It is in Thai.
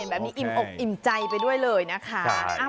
แบบนี้อิ่มอกอิ่มใจไปด้วยเลยนะคะ